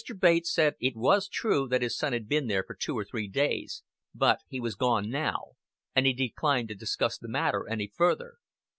Bates said it was true that his son had been there for two or three days, but he was now gone; and he declined to discuss the matter any further.